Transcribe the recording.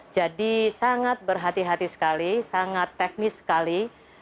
jadi sangat berhati hati sekali sangat teknis sekali